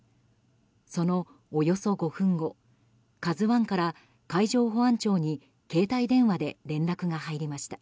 そのおよそ５分後「ＫＡＺＵ１」から海上保安庁に携帯電話で連絡が入りました。